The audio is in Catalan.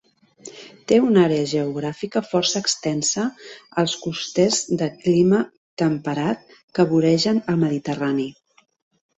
Té una àrea geogràfica força extensa als costers de clima temperat que voregen el Mediterrani.